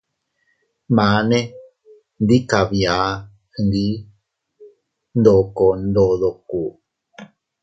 Mane ndi kabia gndi ndoko ndodoko.